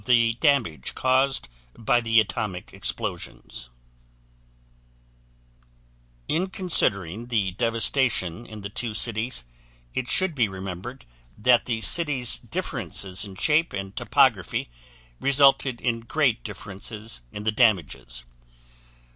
GENERAL DESCRIPTION OF DAMAGE CAUSED BY THE ATOMIC EXPLOSIONS In considering the devastation in the two cities, it should be remembered that the cities' differences in shape and topography resulted in great differences in the damages.